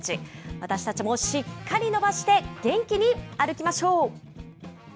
私たちもしっかり伸ばして、元気に歩きましょう。